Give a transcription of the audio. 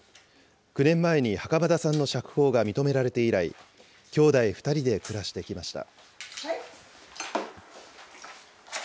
９年前に袴田さんの釈放が認められて以来、きょうだい２人で暮らしてきました。